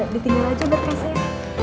ditinggal aja berkasnya